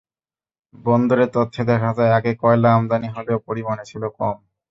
বন্দরের তথ্যে দেখা যায়, আগে কয়লা আমদানি হলেও পরিমাণে ছিল কম।